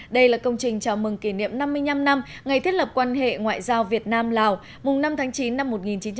đây là công trình chào mừng kỷ niệm năm mươi năm năm ngày thiết lập quan hệ ngoại giao việt nam lào mùng năm tháng chín năm một nghìn chín trăm bảy mươi